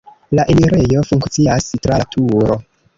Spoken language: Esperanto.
La enirejo funkcias tra la turo.